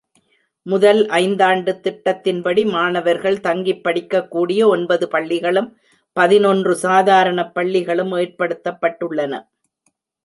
முதல் ஐந்தாண்டுத் திட்டத்தின்படி மாணவர்கள் தங்கிப் படிக்கக் கூடிய ஒன்பது பள்ளிகளும், பதினொன்று சாதாரணப் பள்ளிகளும் ஏற்படுத்தப்பட்டுள்ளன.